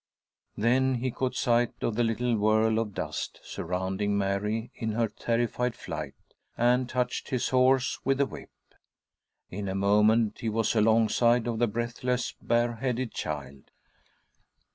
Then he caught sight of the little whirl of dust surrounding Mary in her terrified flight, and touched his horse with the whip. In a moment he was alongside of the breathless, bareheaded child.